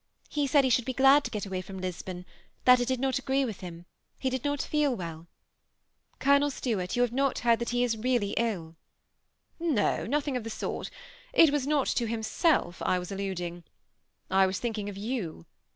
He said he should be glad to get away from Lisbon, that it did not agree with him ; he did not feel well. Golon^ .Stuart, you hare not heard that he is realfy ill ?"^ No, nothing of the sort ; it was not to himself I was alluding. I was thinking of you.